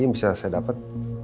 ada informasi yang bisa saya dapat